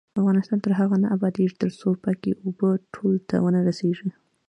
افغانستان تر هغو نه ابادیږي، ترڅو پاکې اوبه ټولو ته ونه رسیږي.